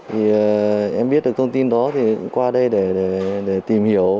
thì em biết được thông tin đó thì qua đây để tìm hiểu